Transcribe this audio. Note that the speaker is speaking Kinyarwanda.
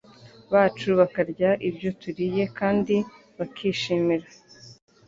bacu, bakarya ibyo turiye, kandi bakishimira